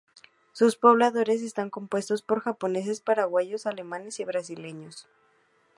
Sus pobladores están compuestos por japoneses, paraguayos, alemanes y brasileños.